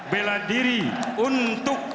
bela diri untuk